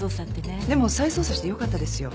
でも再捜査してよかったですよ。